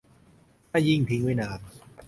ถ้ายิ่งทิ้งไว้นาน